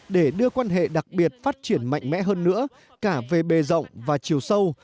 để đưa quan hệ đặc biệt phát triển mạnh mẽ hơn nữa cả về bề rộng và chiều sâu